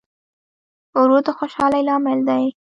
ورور د خوشحالۍ لامل دی.